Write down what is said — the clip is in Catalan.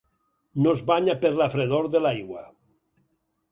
No es banya per la fredor de l'aigua.